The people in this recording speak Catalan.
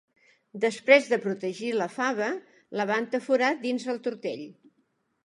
Després de protegir la fava, la va entaforar dins el tortell.